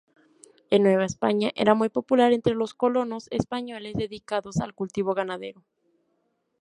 En Nueva España era muy popular entre los colonos españoles dedicados al cultivo ganadero.